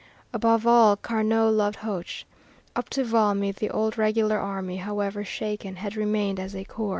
Above all Carnot loved Hoche. Up to Valmy the old regular army, however shaken, had remained as a core.